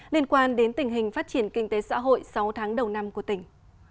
liên quan đến tình hình phát triển kinh tế xã hội sáu tháng đầu năm của tỉnh